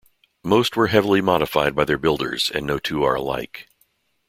Most were heavily modified by their builders, and no two are alike.